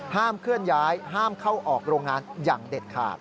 เคลื่อนย้ายห้ามเข้าออกโรงงานอย่างเด็ดขาด